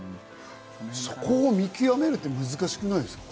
そこを見極めるのって難しくないですか？